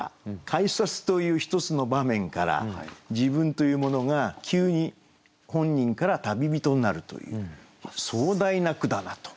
改札という１つの場面から自分というものが急に本人から旅人になるという壮大な句だなと。